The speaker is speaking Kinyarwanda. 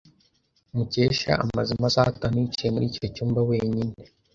Mukesha amaze amasaha atanu yicaye muri icyo cyumba wenyine.